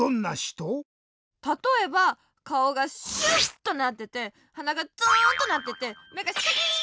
たとえばかおがシュッとなっててはながツーンとなっててめがシャキーン！